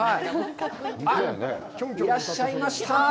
いらっしゃいました。